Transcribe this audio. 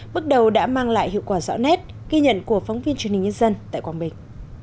bước đầu đã mang lại hiệu quả rõ nét ghi nhận của phóng viên truyền hình nhân dân tại quảng bình